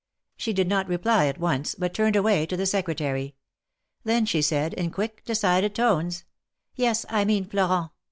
She did not reply at once, but turned away to the Secretary. Then she said, in quick, decided tones : "Yes; I mean Florent.